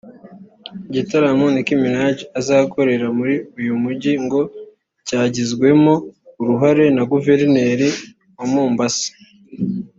Igitaramo Nicki Minaj azakorera muri uyu mujyi ngo cyagizwemo uruhare na Guverineri wa Mombasa